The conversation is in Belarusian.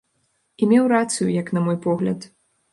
І меў рацыю, як на мой погляд.